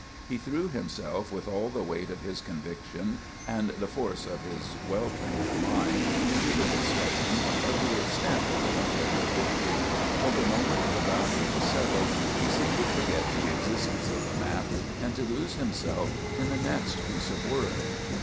He threw himself with all the weight of his convictions and the force of his well trained mind into the discussion of the extent of the Confederate victory; but the moment the boundary was settled he seemed to forget the existence of the map and to lose himself in the next piece of work.